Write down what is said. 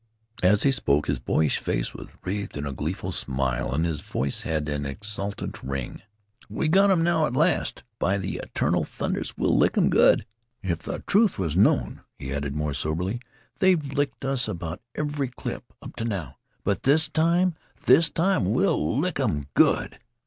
As he spoke his boyish face was wreathed in a gleeful smile, and his voice had an exultant ring. "We've got 'em now. At last, by the eternal thunders, we'll lick 'em good!" "If the truth was known," he added, more soberly, "THEY'VE licked US about every clip up to now; but this time this time we'll lick 'em good!"